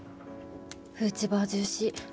フーチバージューシー。